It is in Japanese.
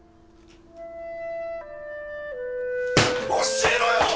教えろよ！